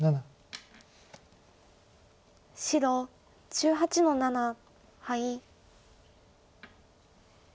白１８の七ハイ。